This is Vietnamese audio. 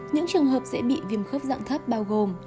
những trường hợp sẽ bị viêm khớp dạng thấp bao gồm